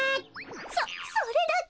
そそれだけ！？